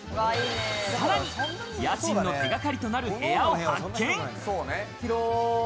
さらに家賃の手がかりとなる部屋を発見。